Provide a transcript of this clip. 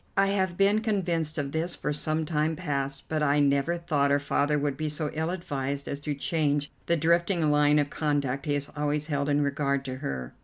I have been convinced of this for some time past, but I never thought her father would be so ill advised as to change the drifting line of conduct he has always held in regard to her."